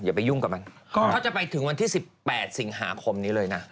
อย่าไปยุ่งกับมันก็จะไปถึงวันที่๑๘สิงหาคมนี้เลยนะ